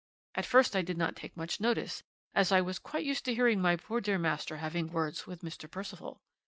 At first I did not take much notice, as I was quite used to hearing my poor dear master having words with Mr. Percival.